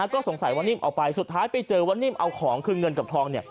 ก็สงสัยว่านิ่มเอาไปสุดท้ายไปเจอว่านิ่มเอาของคือเงินกับทอง